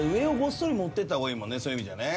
そういう意味じゃね。